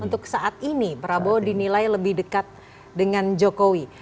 untuk saat ini prabowo dinilai lebih dekat dengan jokowi